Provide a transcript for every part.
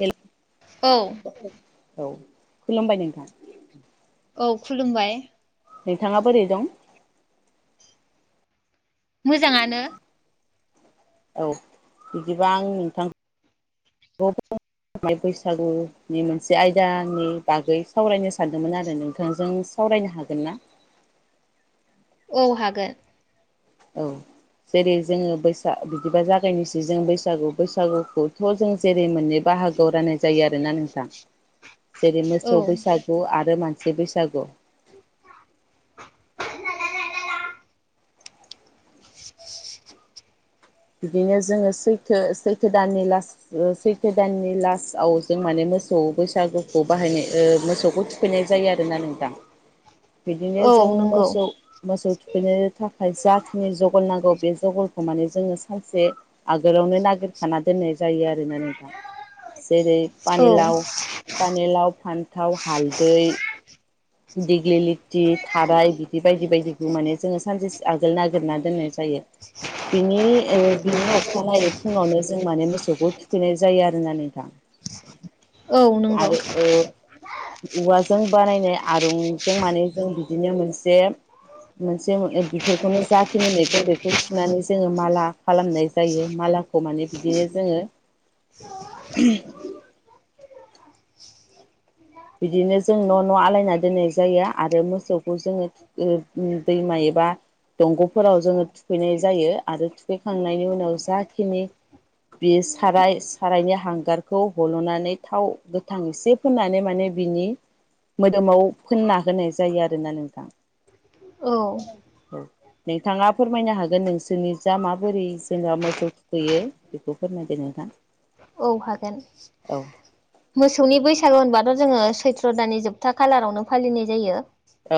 हेल औ औ खुलुमबाय नोंथां औ खुलुमबाय नोंथाङा बोरै दं? मोजाङानो औ बिदिबा आं नोंथां बैसागुनि मोनसे आयदानि बागै सावरायनो सानदोंमोन आरो नोंथांजों सावरायनो हागोन ना? औ हागोन औ जेरै जोङो बैसाग बिदिबा जागायनोसै जों बैसागु बैसागुखौथ' जों जेरै मोननै बाहागोआव राननाय जायो आरो ना नोंथां जेरै औ मोसौ बैसागु आरो मानसि सि बैसागु [inaudible] बिदिनो जोङो सैथो सैथो दाननि लास ओ सैथो दाननि लास्आव जों माने मोसौ बैसागुखौ बाहायनाय मोसौखौ थुखैनाय जायो आरो। नोंदां बिदिनो औ जों नंगौ मोसौ मोसौ थुखैनायनि थाखाय जाथिनि जगार नांगौ। बे जगरखौ माने जोङो। सानसे आगो गोलावनो नागिरखाना दोननाय जायो आरोना नों दा जेरैाव औ पानिलाव पानिलाव फानथाव गोथाव हालदै दिग्लिलिथि थाराय बिदि बायदि बायदिखौ माने जोङो सानसे आगोल नागिरना दोननाय जायो बिनि ओ बिनि अखानायै फुङावनो जों माने मोसौखौ थुखैनाय जायो आरोना नोंथां औ नंगौ। आरो ओ औवाजों बानायनाय आरंजों माने जों बिदिनो मोनसे मोनसे बेफोरखौनो जाखिनि मैगं बेखौ सुनानै जोङो माला खालामनाय जायो मालाखौ माने बिदिनो जोङो। बिदिनो जों न' न' आलायना दोननाय जायो आरो मोसौखौ जोङो ओ दैमा एबा दंग'फोराव जोङो थुखैनाय जायो आरो थुखैखांनायनि उनाव जाखिनि बे साराय सारायनि हांगारखौ हल'नानै थाव गोथां एसे फोननानै माने बिनि मोदोमाव फोनना होनाय जायो आरोना नोंथां। औ औ औ। नोंथाङा फोरमायनो हागोन नोंसोरनि जा माबोरै जोंहा मोसौ थुखैयो बेखौ फोरमायदो नोंथां। औ हागोन औ मोसौनि बैसागु होनबा। थ' जोङो सैथ्र' दानि जोबथा खालारावनो फालिनाय जायो। औ।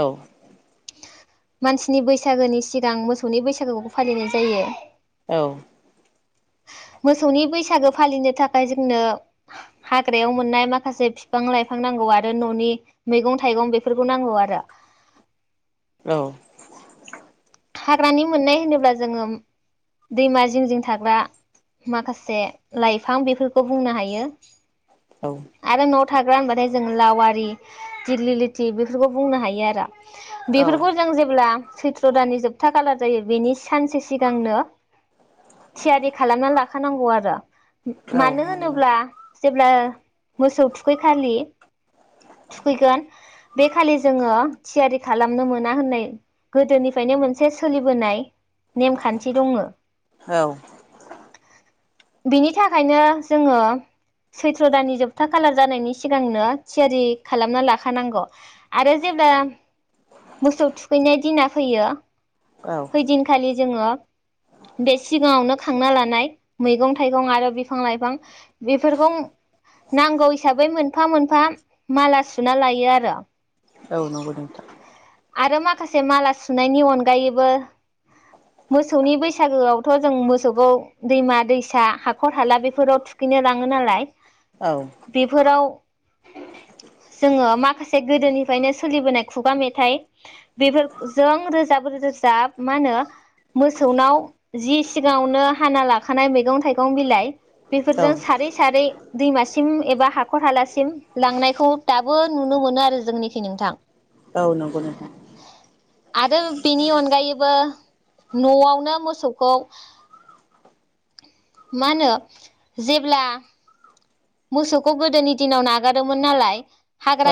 मानसिनि बैसागोनि सिगां मोसौनि बैसागोखौबो फालिनाय जायो। औ। मोसौनि बैसागो फालिनो थाखाय जोंनो हाग्रायाव मोननाय माखासे बिफां लाइफां नांगौ आरो न'नि मैगं थाइगं बेफोरखौ नांगौ आरो। औ हाग्रानि मोननाय होनोब्ला जोङो दैमा जिं जिं थाग्रा माखासे लाइफां बेफोरखौ बुंनो हायो। औ आरो न थाग्रा होनबाथाय जोङो लावारि दिग्लि लिथि बेफोरखौ बुंनो हायो आरो। औ बेफोरखौ जों जेब्ला सै थो दानि जोबथा खालार जायो बेनि सानसे सिगांनो थियारि खालामना लाखानांगौ आरो। औ मानो नंगौ होनोब्ला नोंथां जेब्ला मोसौ थुखैखालि थुखैगोन बे खालि जोङो थियारि खालामनो मोना होननाय गोदोनि बेफ्रायनो मोनसे सोलिबोनाय नेमखान्थि दङ। औ बिनि थाखायनो जोङो सैथ्र' दाननि जोबथा खालार जानायनि सिगांनो थियारि खालामना लाखानांगौ आरो जेब्ला मोसौ थुखैनाय दिना फैयो। औ हैइदिनखालि जोङो। बे सिगाङावनो खांना लानाय मैगं थाइगं आरो बिफां लाइफां बेफोरखौ नांगौ हिसाबै मोनफा मोनफा माला सुना लायो आरो औ नंगौ नोंथां। आरो माखासे माला सुनायनि अनगायैबो मोसौनि बैसागोआवथ' जों मोसौखौ दैमा दैसा हाखर हाला बेफोराव थुखैनो लाङो नालाय। औ बेफोराव जोङो माखासे गोदोनिफ्रायनो सोलिबोनाय खुगा मेथाइ बेफोरखौ जों रोजाब रोजाब मा होनो मोसौनाव जि सिगाङावनो हाना लाखानाय मैगं थाइगं बिलाइ औ बेफोरजों सारै सारै दैमासिम एबा हाखर हालासिम लांनायखौ दाबो नुनो मोनो आरो जोंनिखै नोंथां औ नंगौ नोंथां आरो बिनि अनगायैबो न'आवनो मोसौखौ मा होनो जेब्ला मोसौखौ गोदोनि दिनाव नागारोमोन नालाय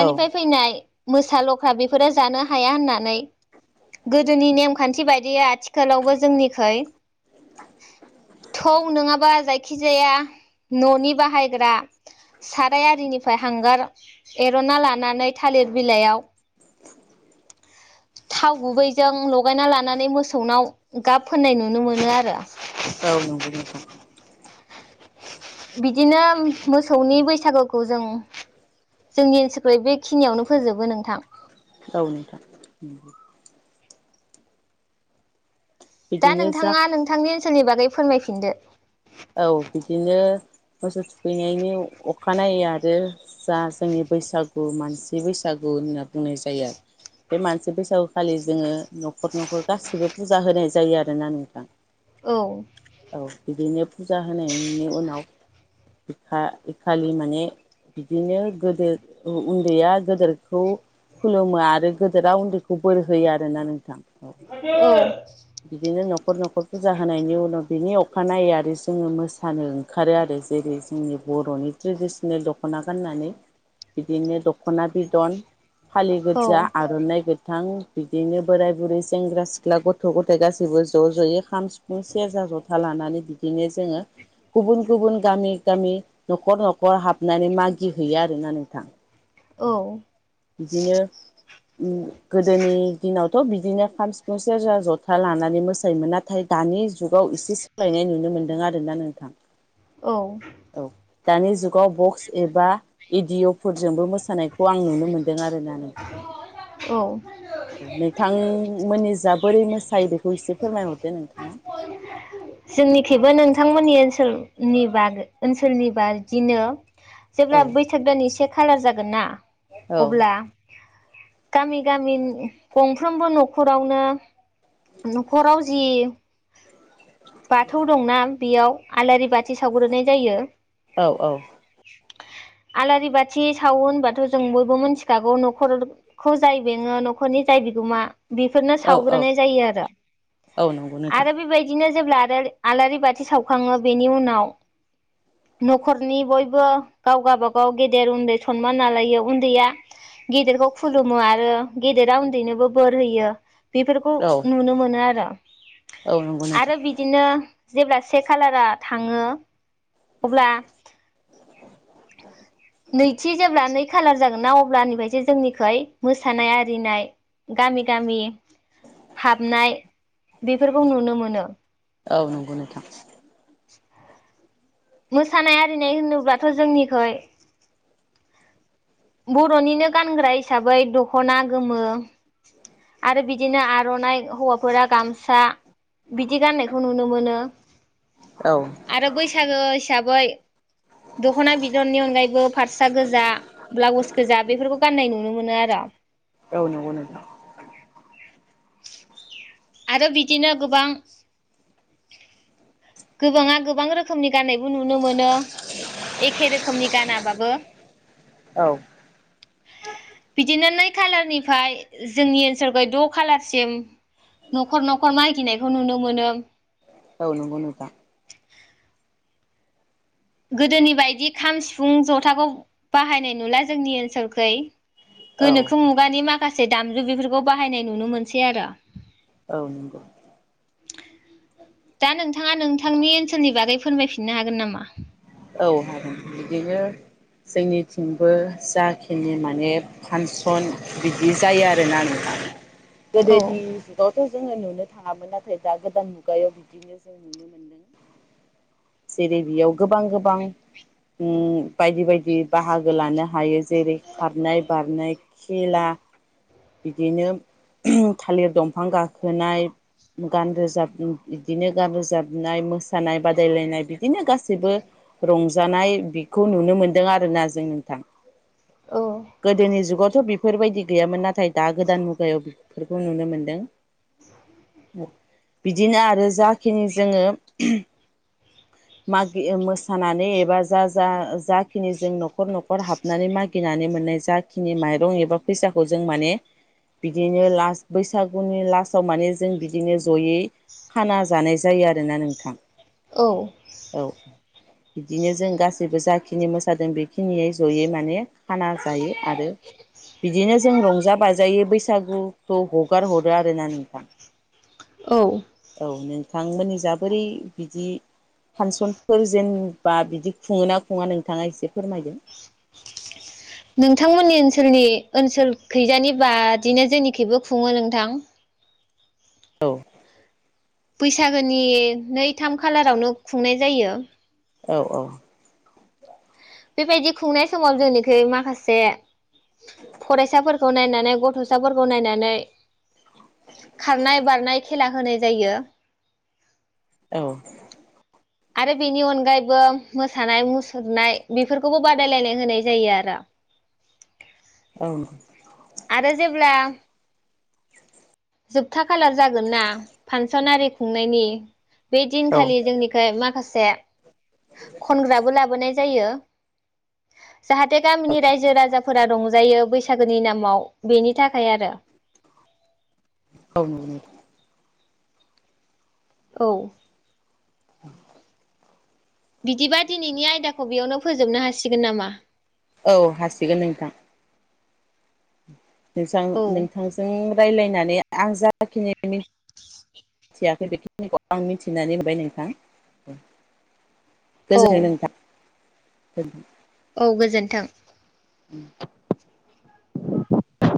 औ फैनाय मोसा लख्रा बेफोरो जानो हाया होननानै गोदोनि नेमखान्थि बायदियै आथिखालावबो जोंनिखै थौ नङाबा जायखिजाया ननि बाहायग्रा साराय आरिनिफ्राय हांगार एर'नना लानानै थालिर बिलाइयाव थाव गुबैजों लगायना लानानै मोसौनाव गाब फोननाय नुनो मोनो आरो औ नंगौ नोंथां बिदिनो मोसौनि बैसागुखौ जों जोंनि ओनसोलखै बेखिनियावनो फोजोबो नोंथां औ नोंथां दा बिदिनो जा नोंथाङा नोंथांनि ओनसोलनि बागै फोरमायफिनदो औ बिदिनो मोसौ थुखैनायनि अखानायै आरो जा जोंनि बैसागु मानसि बैसागु होनना बुंनाय जायो आरो बे मानसि बैसागुखालि जोङो नख नखर नखर गासिबो पुजा होनाय जायो आरो ना नोंथां औ औ बिदिनो फुजा होनायनि उनाव खा एखालि माने बिदिनो गोदो उनदैया गोदोरखौ खुलुमो आरो गोदोरा उनदैखौ बोर होयो आरोना नोंथां औ [unintelligible] बिदिनो नखर नखर फुजा होनायनि उनाव बिनि अखानायै आरो जोङो मोसानो ओंखारो आरो जेरै जोंनि बर'नि ट्रेडिसनेल दख'ना गाननानै बिदिनो दख'ना बिदन फालि औ गोजा आर'नाइ गो थां बिदिनो बोराय बुरै सेंग्रा सिख्ला गथ' गथ' गथाय गासैबो ज' जयै खाम सिफुं सेरजा जथा लानानै बिदिनो जोङो गुबुन गुबुन गामि गामि नखर नखर हाबनानै मागिहैैयो आरोना नोंथां औ बिदिनो ओ गोदोनि दिनाव बो बिदिनो खाम सिफुं सेरजा जथा था लानानै मोसायोमोन नाथाय दानि जुगाव एसे सोलायनाय नुनो मोनदों आरोना नोंथां औ औ दानि जुगाव बक्स एबा एडिय फोरजोंबो मोसानायखौ आं नुनो मोनदों आरोना नोंथां औ नोंथांमोननिजा बोरै मो सायो बेखौ एसे फोरमायहरदो नोंथाङा जोंनिखैबो नोंथांमोननि ओनसोलनि बाग ओनसोलनि बादिनो औ जेब्ला बैसाग दाननि से खालार जागोन ना औ अब्ला गामि गामि गंफ्रोमबो न'खरावनो न'खराव जि बाथौ दंना बेयाव आलारि बाथि सावग्रोनाय जायो औ औ आलारि बाथ थि सावो होनबाथ' जों बयबो मोनथिखागौ न'खरखौ जाय बेङो न'खरनि जाय बिगोमा बेफोरनो औ औ सावग्रोनाय जायो आरो औ नंगौ नोंथां आरो बेबायदिनो जेब्ला आरोर आलारि बाथि सावखाङो बेनि उनाव न'खरनि बयबो गाव गाबागाव गेदे देर उन्दै सनमान नालायो उन्दैया गेदेरखौ खुलुमो आरो गेदेरा उन्दैनोबो बोर होयो बेफोरखौ औ नुनो मोनो आरो औ नंगौ आरो नोंथां बिदिनो जेब्ला से खालारा थाङो अब्ला नैथि जेब्ला नै खालार जागोन ना अब्लानिफ्रायसो जोंनिखोय मोसानाय आरिनाय गामि गामि हाबनाय बेफोरखौ नुनो मोनो औ नंगौ नोंथां मोसानाय आरिनाय होनोब्लाथ' जोंनिखै बर'निनो गानग्रा हिसाबै दख'ना गोमो आरो बिदिनो आर'नाइ हौवाफोरा गामसा बिदि गाननायखौ नुनो मोनो औ आरो बैसागो हिसाब बै दख'ना बिदननि अनगायैबो फारसा गोजा ब्लाउस गोजा बेफोरखौ गान्नाय नुनो मोनो आरो औ नंगौ नोंथां आरो बिदिनो गोबां गोबाङा गोबां रोखोमनि गाननायबो नुनो मोनो एखे रोखोमनि गानाबाबो औ बिदिनो नै खालारनिफाय जोंनि ओनसोलखै द' खालारसिम न'खर न'खर मागिनायखौ नुनो मोनो औ नंगौ नोंथां [inaudible] गोदोनि बायदि खाम, सिफुं, जथाखौ बाहायनाय नुला जोंनि ओनसोलखै औ गोनोखो मुगानि माखासे दामजु बेफोरखौ बाहायनाय नुनो मोनसै आरो औ नंगौ दा नोंथाङा नोंथांनि ओनसोलनि बागै फोरमायफिननो हागोन नामा औ हागोन बिदिनो जोंनिथिंबो जाखिनि माने फानसन बिदि जायो आरोना नोंथां औ गोदोनि जुगाव थो जोङो नुनो थाङामोन नाथाय दा गोदान मुगायाव बिदिनो जों नुनो मोनदों जेरै बेयाव गोबां गो उम बायदि बायदि बाहागो लानो हायो जेरै खारनाय बारनाय खेला बिदिनो थालिर दंफां गाखोनाय गान रोजाब उम बिदिनो गान रोजाबनाय मोसानाय बादायलायनाय बिदिनो गासैबो रंजानाय बेखौ नुनो मोन्दों आरोना जों नोंथां औ गोदोनि जुगाव थ' बेफोरबायदि गैयामोन नाथाय दा गोदान मुगायाव बेफोरखौ नुनो मोनदों बिदिनो आरो जा खिनि जोङो मागि मोस सानानै एबा जा जा जाखिनि जों न'खर न'खर हाबनानै मागिनानै मोननाय जाखिनि माइरं एबा फैसाखौ जों माने बिदिनो लास बैसागुनि लास्टाव माने जों बिदिनो जयै खाना जानाय जायो आरोना नोंथां। औ औ बिदिनो जों गासैबो जाखिनि मोसादों बेखिनियै जयै माने खाना जायो आरो बिदिनो जों रंजा बाजायै बैसागुखौ हगार हरो आरोना नोंथां। औ औ बिथांमोननि जाबोरै बिदि फांसनफोर जेनबा बिदि खुङोना खुङा नोंथाङा एसे फोरमायदों। नोंथांमोननि ओनसोलनि ओनसोलखैजानि बादिनो जोंनिखिबो खुङो नोंथां। औ बैसागोनि नै थाम खालारावनो खुंनाय जायो। औ औ बेबायदि खुंनाय समाव जोंनिखि माखासे'ओ फरायसाफोर खौ नायनानै गथ'साफोरखौ नायनानै खारनाय बारनाय खेला होनाय जायो। औ आरो बेनि अनगायैबो मोसानाय मुसुरनाय बेफोरखौबो बादायलायनाय होनाय जायो आरो। औ आरो जेब्ला जोबथा खालार जागोन ना। सनारि खुंनायनि बे औ दिनखालि जोंनिखाय माखासे से खनग्राबो लाबोनाय जायो। जाहाथे गामिनि रायजो राजाफोरा रंजायो बैसागोनि नामाव। बेनि थाखाय आरो। औ औ [inaudible] बिदिबा दिनैनि आयदाखौ बेयावनो फोजोबनो हासिगोन नाम औ हासिगोन नोंथां। नोंथां औ नोंथांजों रायज्लायनानै आं जाखिनि मिथियाखै बेखिनिखौ आं मिथिनानै मोनबाय नोंथां। औ गोजोनथों नोंथां। [inaudible] औ गोजोन्थों। [inaudible]